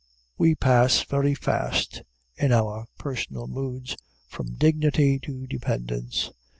We pass very fast, in our personal moods, from dignity to dependence.